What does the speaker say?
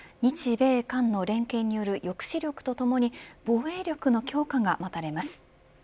日米韓の連携による抑止力とともに防衛力の強化が待たれます。